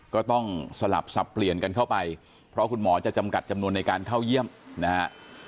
ก็ต้องสลับสับเปลี่ยนกันเข้าไปเพราะคุณหมอจะจำกัดจำนวนในการเข้าเยี่ยมนะฮะ